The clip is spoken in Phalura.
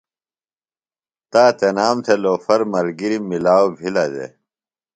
۔تا تنام تھےۡ لوفر ملگِرم ملاؤ بِھلہ دےۡ۔